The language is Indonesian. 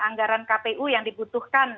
anggaran kpu yang dibutuhkan